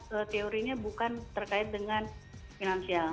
teorinya bukan terkait dengan finansial